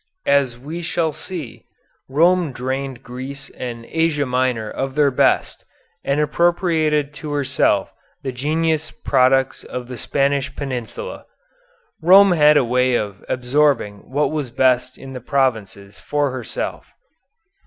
As we shall see, Rome drained Greece and Asia Minor of their best, and appropriated to herself the genius products of the Spanish Peninsula. Rome had a way of absorbing what was best in the provinces for herself.